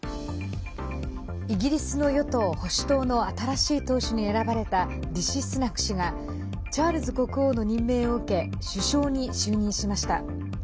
イギリスの与党・保守党の新しい党首に選ばれたリシ・スナク氏がチャールズ国王の任命を受け首相に就任しました。